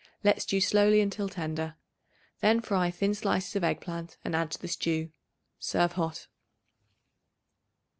Let stew slowly until tender. Then fry thin slices of egg plant and add to the stew. Serve hot.